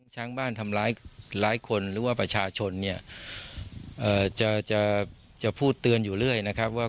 ช้างบ้านทำร้ายคนหรือว่าประชาชนเนี่ยจะจะพูดเตือนอยู่เรื่อยนะครับว่า